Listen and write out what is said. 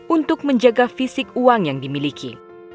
untuk menjaga fisik uang yang dimiliki